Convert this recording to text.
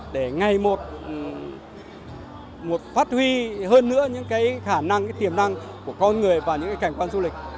để ngày một phát huy hơn nữa những khả năng tiềm năng của con người và những cảnh quan du lịch